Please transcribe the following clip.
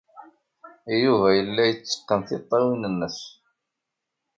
Yuba yella yetteqqen tiṭṭawin-nnes.